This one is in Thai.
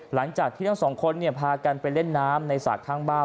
หลังจากที่ทั้งสองคนเนี่ยพากันไปเล่นน้ำในศาสตร์ทางบ้าน